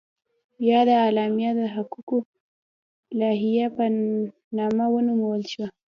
یاده اعلامیه د حقوقو لایحه په نامه ونومول شوه.